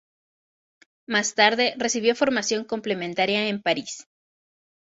Más tarde recibió formación complementaria en París.